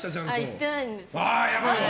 行ってないんですよ。